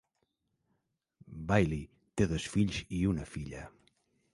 Bailey té dos fills i una filla.